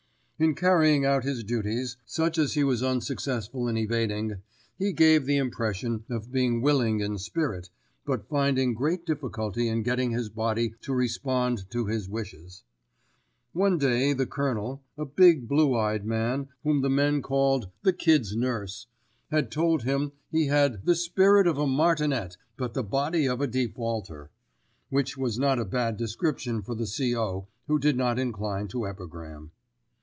In carrying out his duties, such as he was unsuccessful in evading, he gave the impression of being willing in spirit, but finding great difficulty in getting his body to respond to his wishes. One day the Colonel, a big blue eyed man, whom the men called "the Kid's nurse," had told him that he had "the spirit of a martinet, but the body of a defaulter," which was not a bad description for the C.O., who did not incline to epigram.